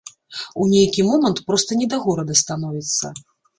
У нейкі момант проста не да горада становіцца.